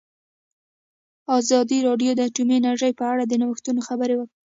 ازادي راډیو د اټومي انرژي په اړه د نوښتونو خبر ورکړی.